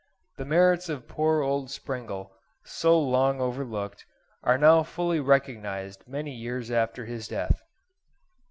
The merits of poor old Sprengel, so long overlooked, are now fully recognised many years after his death.